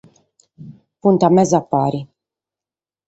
Sunt a mesapare.